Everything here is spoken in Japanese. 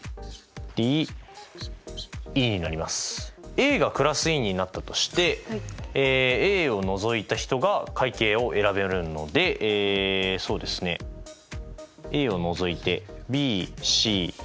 Ａがクラス委員になったとしてＡを除いた人が会計を選べるのでえそうですねＡを除いて。